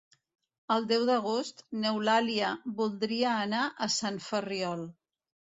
El deu d'agost n'Eulàlia voldria anar a Sant Ferriol.